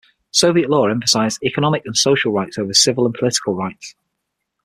Soviet law emphasized economic and social rights over civil and political rights.